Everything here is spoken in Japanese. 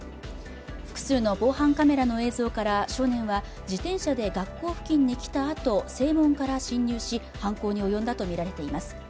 複数の防犯カメラの映像から少年は自転車で学校付近に来たあと正門から侵入し犯行に及んだとみられています。